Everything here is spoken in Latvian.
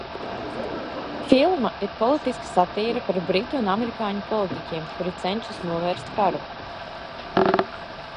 Filma ir politiska satīra par britu un amerikāņu politiķiem, kuri cenšas novērst karu.